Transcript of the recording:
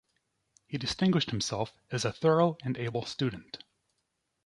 He distinguished himself as a thorough and able student.